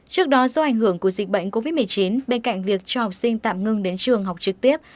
trước đó do ảnh hưởng của dịch bệnh covid một mươi chín bên cạnh việc cho học sinh tạm ngưng đến trường học trực tiếp